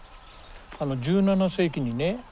あの１７世紀にね